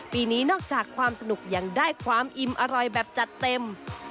ปีนี้นอกจากความสนุกยังได้ความอิ่มอร่อยแบบจัดเต็ม